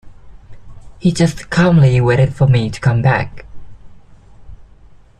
He just calmly waited for me to come back.